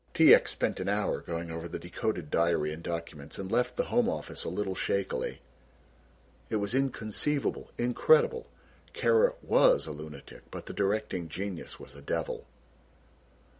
T. X. spent an hour going over the decoded diary and documents and left the Home Office a little shakily. It was inconceivable, incredible. Kara was a lunatic, but the directing genius was a devil.